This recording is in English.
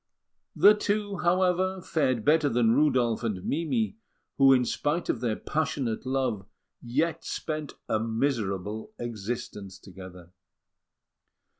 The two, however, fared better than Rudolf and Mimi, who, in spite of their passionate love, yet spent a miserable existence together.